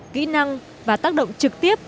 kỹ năng và tác động trực tiếp